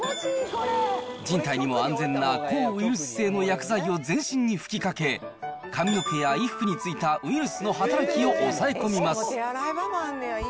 人体にも安全な抗ウイルス性の薬剤を全身に吹きかけ、髪の毛や衣服に付いたウイルスの働きを抑え込みます。